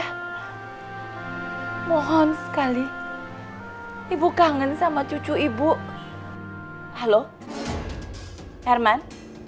hai mohon sekali ibu kangen sama cucu ibu halo halo herman